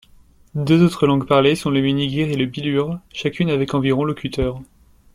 Deux autres langues parlées sont le minigir et le bilur, chacune avec environ locuteurs.